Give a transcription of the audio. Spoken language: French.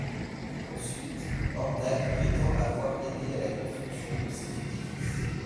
Ensuite, Hordak prétend avoir aidé à la construction de ces édifices.